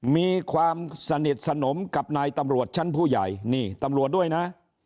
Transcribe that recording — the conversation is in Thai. มีความสนิทสนมกับนายตำรวจชั้นผู้ใหญ่นี่ตำรวจด้วยนะ